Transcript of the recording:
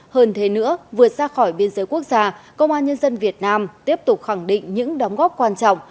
hơn thế nữa vượt ra khỏi biên giới quốc gia công an nhân dân việt nam tiếp tục khẳng định những đóng góp quan trọng